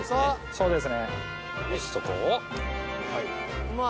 そうです。